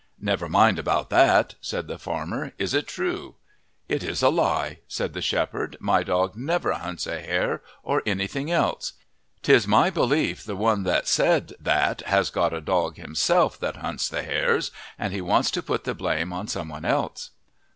"Never mind about that," said the farmer. "Is it true?" "It is a lie," said the shepherd. "My dog never hunts a hare or anything else. 'Tis my belief the one that said that has got a dog himself that hunts the hares and he wants to put the blame on some one else."